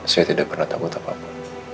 saya tidak pernah takut apa apa